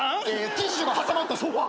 ティッシュが挟まったソファ。